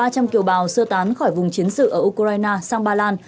ba trăm linh kiều bào sơ tán khỏi vùng chiến sự ở ukraine sang ba lan